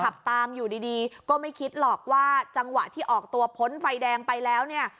ขับตามอยู่ดีดีก็ไม่คิดหรอกว่าจังหวะที่ออกตัวพ้นไฟแดงไปแล้วเนี่ย